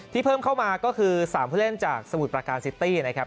เพิ่มเข้ามาก็คือ๓ผู้เล่นจากสมุทรประการซิตี้นะครับ